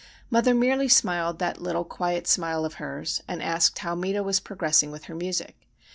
Mother merely smiled that little quiet smile of hers, and asked how Meta was progressing with her music.